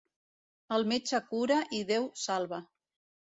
El metge cura i Déu salva.